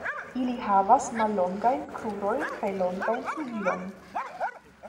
Ili havas mallongajn krurojn kaj longajn flugilojn.